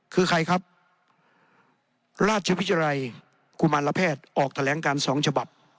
คือใครครับราชวิทยาลัยกุมารแพทย์ออกแถลงการสองฉบับ